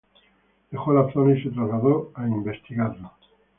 Dejó la zona y se trasladó a investigarlo.